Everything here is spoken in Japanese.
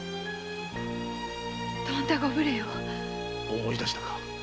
思い出したか。